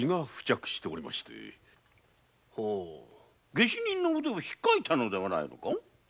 下手人の腕をひっかいたのではないのか？